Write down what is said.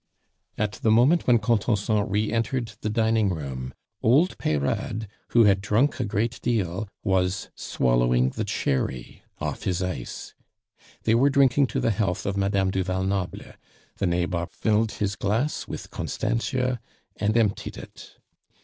At the moment when Contenson re entered the dining room, old Peyrade, who had drunk a great deal, was swallowing the cherry off his ice. They were drinking to the health of Madame du Val Noble; the nabob filled his glass with Constantia and emptied it.